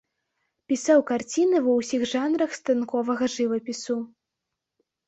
Пісаў карціны ва ўсіх жанрах станковага жывапісу.